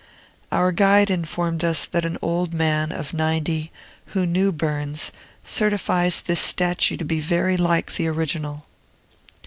Our guide informed us that an old man of ninety, who knew Burns, certifies this statue to be very like the original.